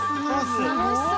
楽しそう！